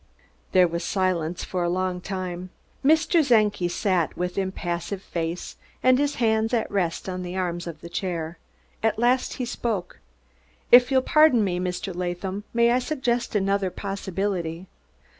There was silence for a long time. Mr. Czenki sat with impassive face, and his hands at rest on the arms of the chair. At last he spoke: "If you'll pardon me, Mr. Latham, I may suggest another possibility."